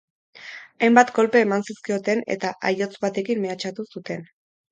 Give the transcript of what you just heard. Hainbat kolpe eman zizkioten eta aihotz batekin mehatxatu zuten.